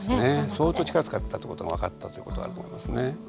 相当力使ってたってことが分かったということがあると思いますね。